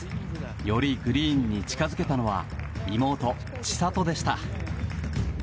よりグリーンに近づけたのは妹・千怜でした。